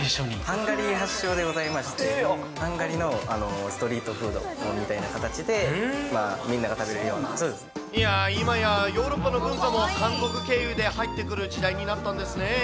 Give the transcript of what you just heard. ハンガリー発祥でございまして、ハンガリーのストリートフードみたいな形で、みんなが食べるよういやー、いまやヨーロッパの文化も韓国経由で入ってくる時代になったんですね。